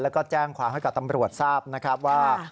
แล้วก็แจ้งความให้กับตำรวจทราบนะครับว่า